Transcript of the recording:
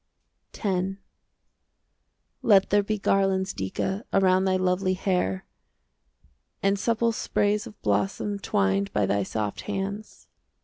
X Let there be garlands, Dica, Around thy lovely hair. And supple sprays of blossom Twined by thy soft hands.